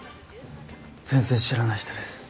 全然知らない人です。